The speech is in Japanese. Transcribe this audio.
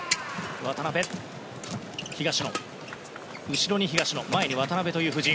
後ろに東野前に渡辺という布陣。